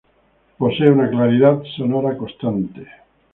Posee una claridad sonora constante.